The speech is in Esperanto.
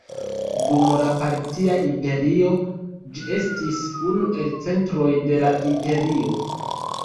Dum la Partia Imperio ĝi estis unu el centroj de la imperio.